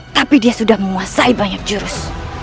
tapi dia sudah menguasai banyak jurus